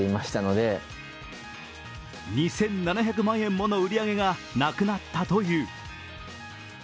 ２７００万円もの売り上げがなくなったという。